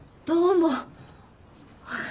どうも。